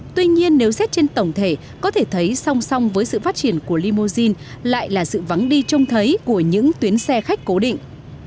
tuy nhiên nếu xét trên tổng thể có thể thấy song song với sự phát triển của limousine lại là sự vắng đi trông thấy của những tuyến xe khách cố định